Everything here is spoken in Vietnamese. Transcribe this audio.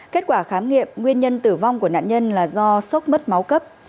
kết quả khám nghiệm nguyên nhân tử vong của nạn nhân là do sốc mất máu cấp